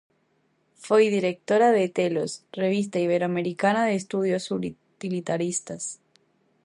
Foi directora de "Télos", Revista Iberoamericana de Estudios Utilitaristas.